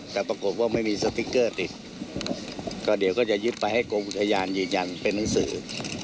แต่ปรากฏว่าไม่มีสติ๊กเกอร์ติดก็เดี๋ยวก็จะยึดไปให้กรมอุทยานยืนยันเป็นหนังสือ